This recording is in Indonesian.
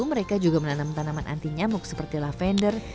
mereka juga menanam tanaman anti nyamuk seperti lavender